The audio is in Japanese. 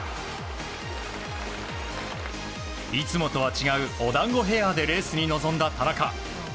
いつもとは違うお団子ヘアでレースに臨んだ田中。